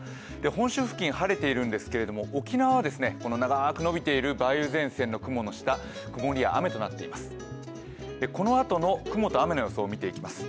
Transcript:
本州付近、晴れているんですけど沖縄は長く伸びている梅雨前線の雲の下、曇りや雨となっています。